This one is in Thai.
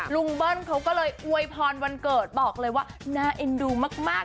เบิ้ลเขาก็เลยอวยพรวันเกิดบอกเลยว่าน่าเอ็นดูมาก